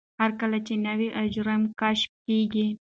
هر کال نوي اجرام کشف کېږي.